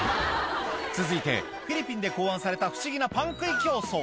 続いてフィリピンで考案された不思議なパン食い競争